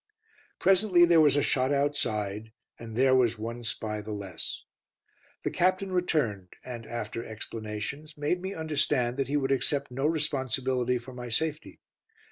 Presently there was a shot outside, and there was one spy the less. The Captain returned and, after explanations, made me understand that he would accept no responsibility for my safety.